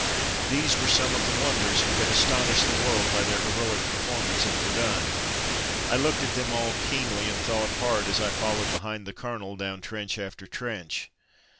These were some of those wonders who had astonished the world by their heroic performance at Ver 170 From Mud to Mufti dun. I looked at them all keenly, and thought hard as I followed behind the colonel down trench after trench.